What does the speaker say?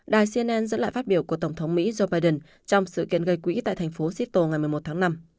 đài cnn dẫn lại phát biểu của tổng thống mỹ joe biden trong sự kiện gây quỹ tại thành phố sitle ngày một mươi một tháng năm